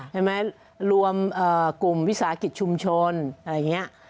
รวมกลุ่มวิสาหกิจชุมชนอะไรอย่างนี้